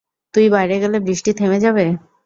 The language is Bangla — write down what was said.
তুই বাইরে গেলে বৃষ্টি থেমে যাবে?